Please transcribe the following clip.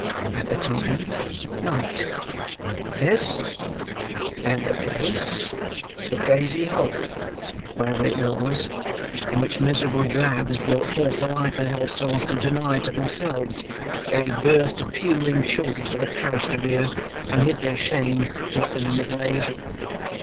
"And the time, night." "Yes." "And the place, the crazy hole, wherever it was, in which miserable drabs brought forth the life and health so often denied to themselves—gave birth to puling children for the parish to rear; and hid their shame, rot 'em in the grave!"